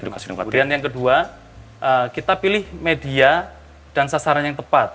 kemudian yang kedua kita pilih media dan sasaran yang tepat